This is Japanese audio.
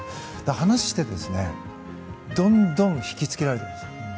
話していて、どんどんひきつけられています。